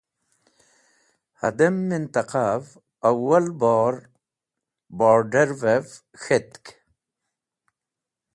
Hadẽm mẽntẽqav awol bor Bord̃arẽv (border) k̃hetk